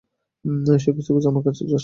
সে খুজতে খুজতে আমার কাছে আসছে।